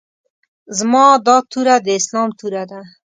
زما دا توره د اسلام توره ده.